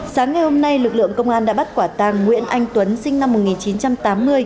sáng ngày hôm nay lực lượng công an đã bắt quả tàng nguyễn anh tuấn sinh năm một nghìn chín trăm tám mươi